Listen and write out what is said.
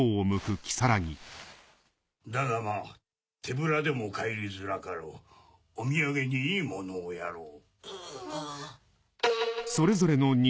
だがまぁ手ぶらでも帰りづらかろうお土産にいいものをやろう。